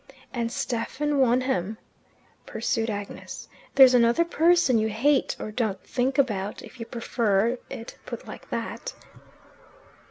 "And Stephen Wonham," pursued Agnes. "There's another person you hate or don't think about, if you prefer it put like that."